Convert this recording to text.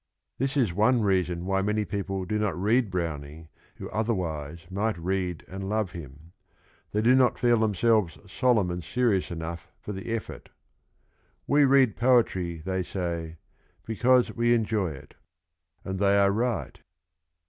This is one reason why many people do not read Browning who otherwise might read and love him. They do not feel themselves solemn and serious enough for the effort. "We read poetry," they say, "because we enjoy it." And they are right.